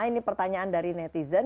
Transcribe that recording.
ini pertanyaan dari netizen